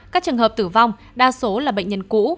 các trường hợp tử vong đa số là bệnh nhân cũ